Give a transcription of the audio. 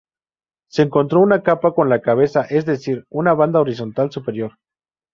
Se encontró una capa con la cabeza, es decir, una banda horizontal superior.